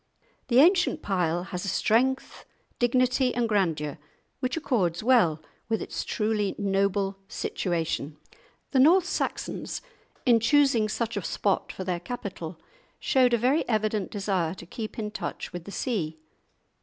The ancient pile has a strength, dignity, and grandeur which accords well with its truly noble situation. The North Saxons in choosing such a spot for their capital showed a very evident desire to keep in touch with the sea.